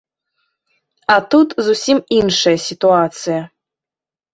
А тут зусім іншая сітуацыя.